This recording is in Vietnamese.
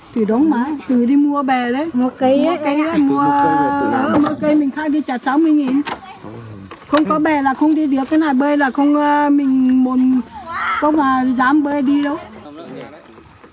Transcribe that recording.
từ đó mãi từ đi mua bẻ đấy mua cây mình khác đi trả sáu mươi nghìn không có bẻ là không đi được cái này bơi là không mình có dám bơi đi đâu